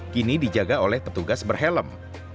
kini dijaga oleh petugas berhelm